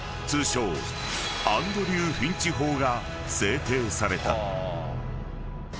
通称アンドリュー・フィンチ法が制定された］